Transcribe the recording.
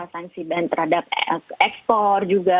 sanksi terhadap ekspor juga